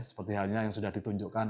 seperti halnya yang sudah ditunjukkan